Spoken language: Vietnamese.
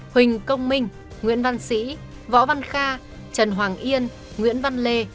huỳnh công minh nguyễn văn sĩ võ văn kha trần hoàng yên nguyễn văn lê